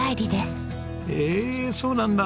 へえそうなんだ。